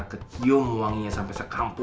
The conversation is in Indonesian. kecium wanginya sampai sekampung